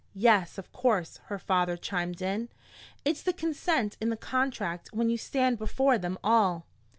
"Yes, of course," her father chimed in. "It's the consent in the contract when you stand before them all."